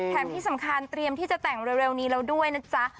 แถมที่สำคัญเตรียมที่จะแต่งเร็วนี้แล้วด้วยนะจ๊ะ